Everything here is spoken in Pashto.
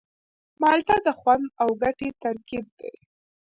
مالټه د خوند او ګټې ترکیب دی.